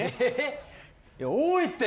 多いって。